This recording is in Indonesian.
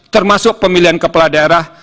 termasuk pemilihan kepala daerah